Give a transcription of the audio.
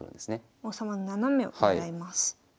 王様の斜めをねらいます。